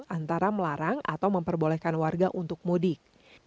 antara melarang atau memperbolehkan warga untuk mudik